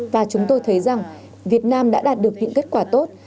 và chúng tôi thấy rằng việt nam đã đạt được những kết quả tốt